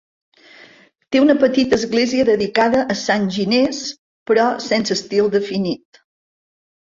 Té una petita església dedicada a Sant Ginés, però sense estil definit.